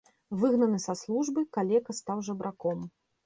Выгнаны са службы, калека стаў жабраком.